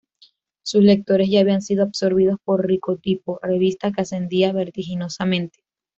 Sus lectores ya habían sido absorbidos por "Rico Tipo", revista que ascendía vertiginosamente.